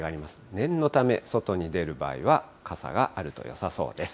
念のため、外に出る場合は傘があるとよさそうです。